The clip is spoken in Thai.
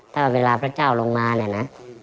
ถ้าเวลาพระเจ้าลงมาเนี่ยนะ